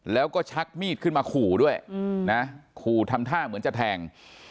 แล้วก็ชักมีดขึ้นมาขู่ด้วยนะขู่ทำท่าเหมือนจะแทง